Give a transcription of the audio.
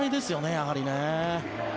やはりね。